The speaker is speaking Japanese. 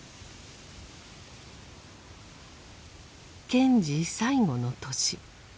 賢治最後の年。